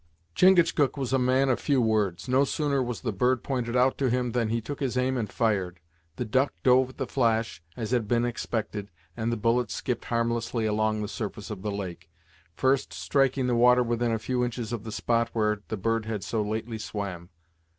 Chingachgook was a man of few words. No sooner was the bird pointed out to him than he took his aim and fired. The duck dove at the flash, as had been expected, and the bullet skipped harmlessly along the surface of the lake, first striking the water within a few inches of the spot where the bird had so lately swam.